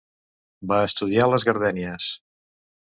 Va estudiar les gardènies.